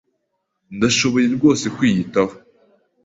Ndashoboye rwose kwiyitaho.